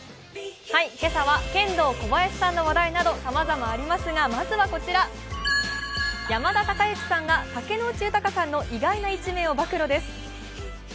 今朝はケンドーコバヤシさんの話題などさまざまありますが、まずはこちら山田孝之さんが竹野内豊さんの意外な一面を暴露です。